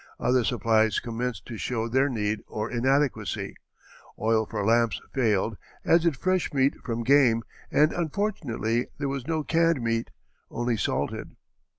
Other supplies commenced to show their need or inadequacy; oil for lamps failed, as did fresh meat from game, and unfortunately there was no canned meat, only salted.